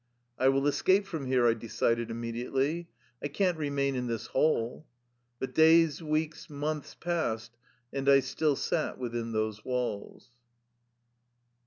'' I will escape from here," I decided immedi ately. " I can't remain in this hole." But days, weeks, months passed, and I still sat within those walls.